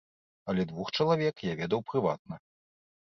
Але двух чалавек я ведаў прыватна.